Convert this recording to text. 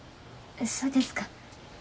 そうですか。